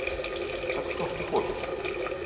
Так што ж ты хочаш?